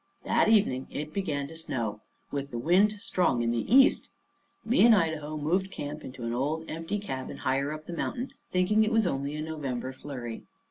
That evening it began to snow, with the wind strong in the east. Me and Idaho moved camp into an old empty cabin higher up the mountain, thinking it was only a November flurry.